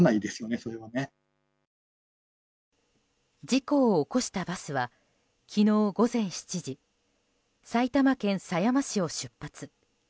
事故を起こしたバスは昨日午前７時埼玉県狭山市を出発。